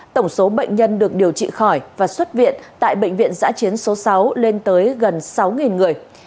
tổng số bệnh nhân được điều trị khỏi và xuất viện tại bệnh viện giã chiến số sáu lên tới gần sáu người